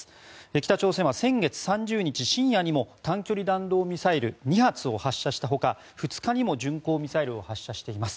北朝鮮は先月３０日深夜にも短距離弾道ミサイル２発を発射したほか２日にも巡航ミサイルを発射しています。